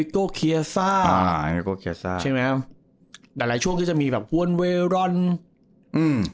ใช่ไหมฮะแต่หลายช่วงที่จะมีแบบวันเวรร่อนอืม